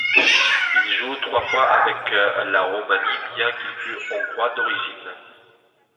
Il joue trois fois avec la Roumanie bien qu'il fût hongrois d'origine.